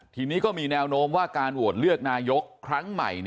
ทีนี้ก็มีแนวโน้มว่าการโหวตเลือกนายกครั้งใหม่